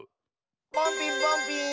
ポンピーンポンピーン！